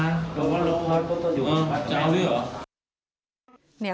อยู่ห้องจ๊าวหรือหรอ